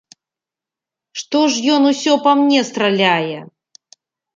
Што ж ён усё па мне страляе?